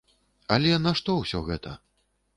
Але нашто ўсё гэта?